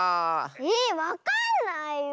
えわかんないよ。